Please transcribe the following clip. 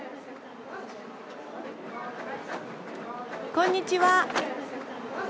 こんにちは。